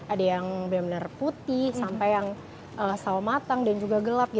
ada yang benar benar putih sampai yang sawo matang dan juga gelap